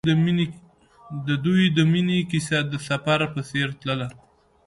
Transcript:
د دوی د مینې کیسه د سفر په څېر تلله.